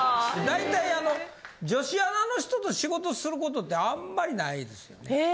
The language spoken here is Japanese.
大体あの女子アナの人と仕事することってあんまりないですよね。